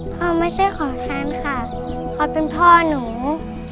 พ่อไม่ใช่ขอทานค่ะพ่อเป็นพ่อหนู